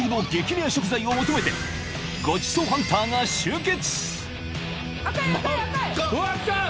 レア食材を求めてごちそうハンターが集結］